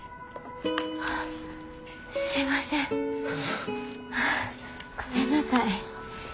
すいませんごめんなさい。